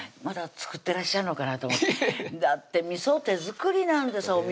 また作ってらっしゃるのかなと思ってだってみそ手作りなんです